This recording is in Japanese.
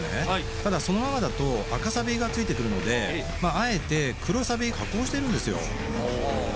ただそのままだと赤サビがついてくるのであえて黒サビで加工してるんですよ